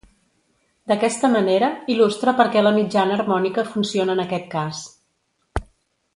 D'aquesta manera, il·lustra perquè la mitjana harmònica funciona en aquest cas.